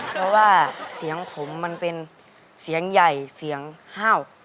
เพราะว่าเสียงผมมันเป็นเสียงใหญ่เสียงห้าว